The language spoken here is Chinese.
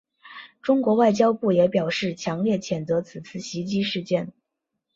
中国外交部也表示强烈谴责此次袭击事件。